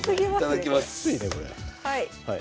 はい。